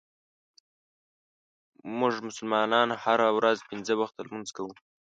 مونږ مسلمانان هره ورځ پنځه وخته لمونځ کوو.